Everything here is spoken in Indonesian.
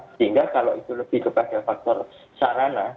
sehingga kalau itu lebih kepada faktor sarana